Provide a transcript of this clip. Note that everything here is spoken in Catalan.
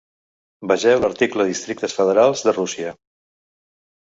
Vegeu l'article districtes federals de Rússia.